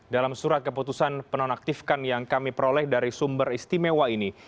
dalam surat keputusan penonaktifkan yang kami peroleh dari sumber istimewa ini